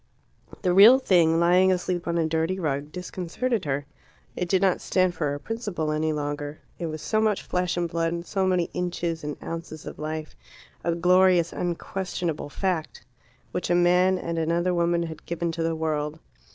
The real thing, lying asleep on a dirty rug, disconcerted her. It did not stand for a principle any longer. It was so much flesh and blood, so many inches and ounces of life a glorious, unquestionable fact, which a man and another woman had given to the world.